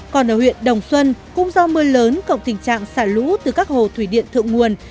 còn ở huyện đồng xuân cũng do mưa lớn cộng tình trạng xả lũ từ các hồ thủy điện thượng nguồn